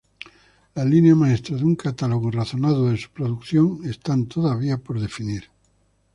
Las líneas maestras de un catálogo razonado de su producción están todavía por definir.